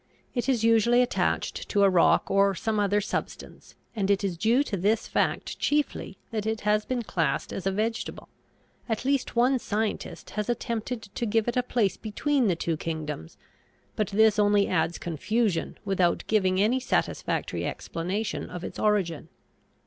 It is usually attached to a rock or some other substance and it is due to this fact chiefly that it has been classed as a vegetable. At least one scientist has attempted to give it a place between the two kingdoms, but this only adds confusion without giving any satisfactory explanation of its origin.